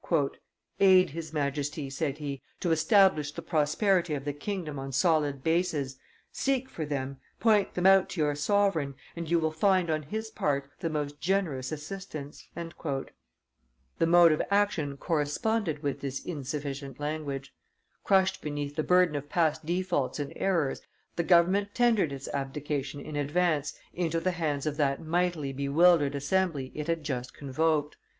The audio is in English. "Aid his Majesty," said he, "to establish the prosperity of the kingdom on solid bases, seek for them, point them out to your sovereign, and you will find on his part the most generous assistance." The mode of action corresponded with this insufficient language. Crushed beneath the burden of past defaults and errors, the government tendered its abdication, in advance, into the hands of that mightily bewildered Assembly it had just convoked.